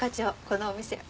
このお店。